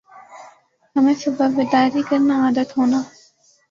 ہمیں صبح بیداری کرنا عادت ہونا